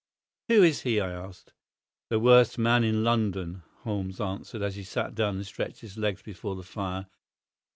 "Who is he?" I asked. "The worst man in London," Holmes answered, as he sat down and stretched his legs before the fire.